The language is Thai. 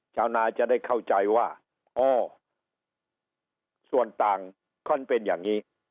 ชาวนาจะได้เข้าใจว่าอ๋อส่วนต่างค่อนเป็นอย่างนี้